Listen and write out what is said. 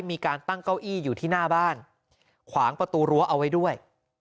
มีการตั้งเก้าอี้อยู่ที่หน้าบ้านขวางประตูรั้วเอาไว้ด้วย